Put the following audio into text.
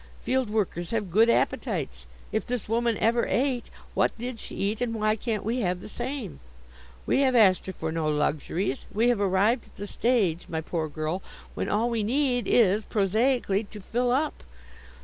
Field workers have good appetites. If this woman ever ate, what did she eat and why can't we have the same? We have asked her for no luxuries. We have arrived at the stage, my poor girl, when all we need is, prosaically, to 'fill up.'